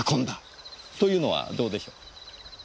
というのはどうでしょう？